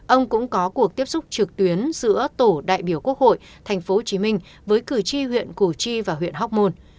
ông cũng có cuộc tiếp xúc trực tuyến giữa tổ đại biểu quốc hội tp hcm với cử tri huyện củ chi và huyện hóc môn